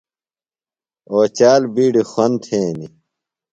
اوچال بِیڈیۡ خُوَند تھینیۡ۔